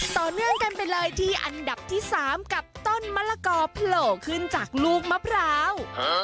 ต่อเนื่องกันไปเลยที่อันดับที่๓กับต้นมะละกอโผล่ขึ้นจากลูกมะพร้าว